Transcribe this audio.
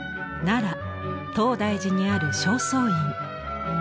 奈良東大寺にある正倉院。